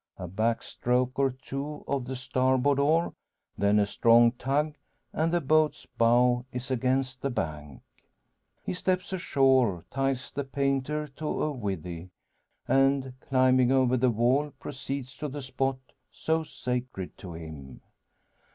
A back stroke or two of the starboard oar, then a strong tug, and the boat's bow is against the bank. He steps ashore; ties the painter to a withy; and, climbing over the wall, proceeds to the spot so sacred to him.